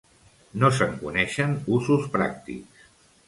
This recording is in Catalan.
No se'n coneixen usos pràctics.